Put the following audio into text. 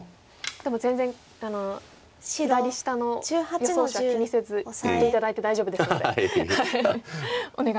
でも全然左下の予想手は気にせずやって頂いて大丈夫ですのでお願いいたします。